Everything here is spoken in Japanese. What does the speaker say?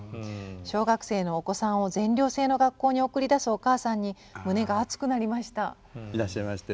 小学生のお子さんを全寮制の学校に送り出すお母さんに胸が熱くなりました」。